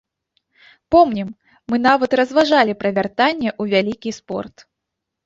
Помнім, вы нават разважалі пра вяртанне ў вялікі спорт.